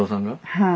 はい。